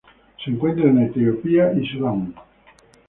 Se encuentra en Etiopía y Sudán.